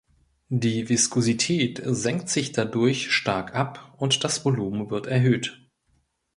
Die Viskosität senkt sich dadurch stark ab und das Volumen wird erhöht.